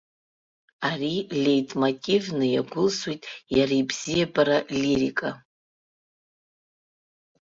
Ари леитмотивны иагәылсуеит иара ибзиабаратә лирика.